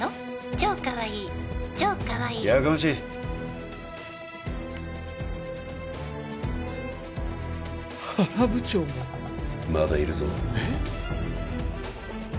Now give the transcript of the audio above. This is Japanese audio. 超かわいい超かわいい」やかましい原部長もまだいるぞえっ？